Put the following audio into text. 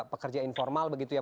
pekerja informal begitu ya